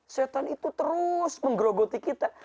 setan itu terus menggerogoti kita